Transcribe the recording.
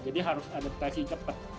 jadi harus adaptasi cepat